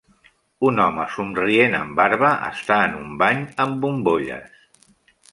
Un home somrient amb barba està en un bany amb bombolles.